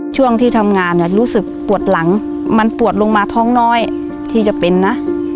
ช่วงที่ทำงานเนี่ยรู้สึกปวดหลังมันปวดลงมาท้องน้อยที่จะเป็นนะ